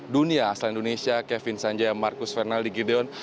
dunia asal indonesia kevin sanjaya marcus fernandes di gideon